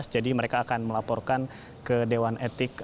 jadi mereka akan melaporkan ke dewan etik